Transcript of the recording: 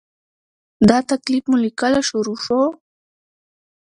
دا تکلیف مو له کله شروع شو؟